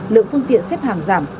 lượng phương tiện xếp hàng giảm